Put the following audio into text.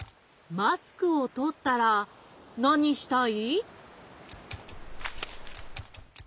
マスクをとったらなにしたい？